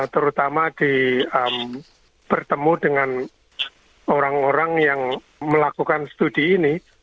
terutama bertemu dengan orang orang yang melakukan studi ini